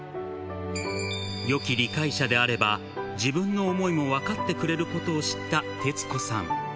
よき理解者であれば、自分の想いも分かってくれることを知った徹子さん。